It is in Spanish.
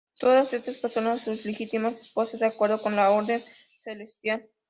Todas estas personas, sus legítimas esposas, de acuerdo con la orden celestial.